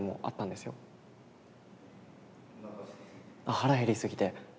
腹減りすぎて。